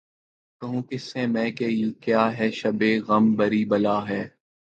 کہوں کس سے میں کہ کیا ہے شبِ غم بری بلا ہے